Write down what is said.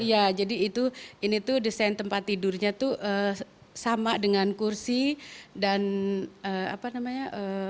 iya jadi itu ini tuh desain tempat tidurnya tuh sama dengan kursi dan apa namanya